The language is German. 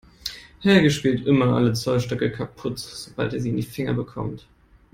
Helge spielt immer alle Zollstöcke kaputt, sobald er sie in die Finger bekommt.